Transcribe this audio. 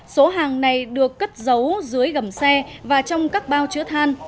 số hàng này được cất giấu dưới gầm xe và trong các bao chữa than